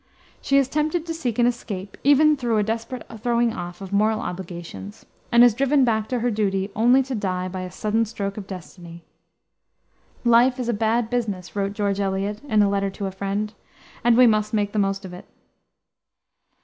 She is tempted to seek an escape even through a desperate throwing off of moral obligations, and is driven back to her duty only to die by a sudden stroke of destiny. "Life is a bad business," wrote George Eliot, in a letter to a friend, "and we must make the most of it."